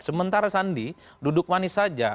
sementara sandi duduk manis saja